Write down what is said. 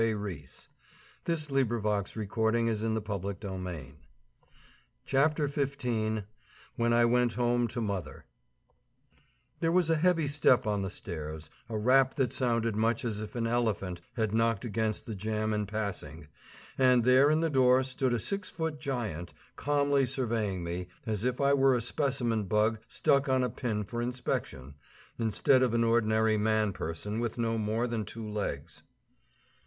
But I am tired now and want to go home to mother and rest awhile. CHAPTER XV WHEN I WENT HOME TO MOTHER There was a heavy step on the stairs, a rap that sounded much as if an elephant had knocked against the jamb in passing, and there in the door stood a six foot giant, calmly surveying me, as if I were a specimen bug stuck on a pin for inspection, instead of an ordinary man person with no more than two legs.